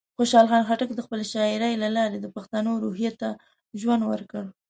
خوشحال خان خټک د خپلې شاعرۍ له لارې د پښتنو روحیه ته ژوند ورکړ.